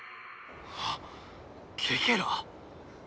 あっケケラ！？